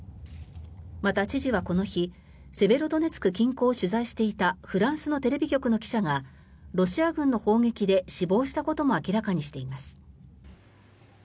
また知事はこの日セベロドネツク近郊を取材していたフランスのテレビ局の記者がロシア軍の砲撃で死亡したことも明らかにしています。